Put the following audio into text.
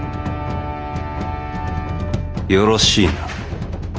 よろしいな。